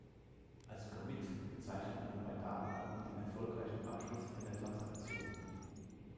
Als "Commit" bezeichnet man bei Datenbanken den erfolgreichen Abschluss einer Transaktion.